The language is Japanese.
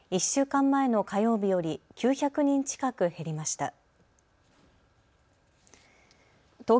１週間前の火曜日より９００人近く減りました。